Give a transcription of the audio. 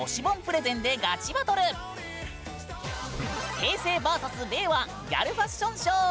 「平成ｖｓ．令和ギャルファッションショー」。